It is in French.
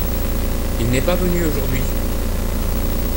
Il n’est pas venu aujourd’hui.